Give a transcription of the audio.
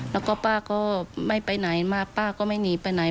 แล้วก็ป้าก็ไม่ไปไหนมาป้าก็ไม่หนีไปไหน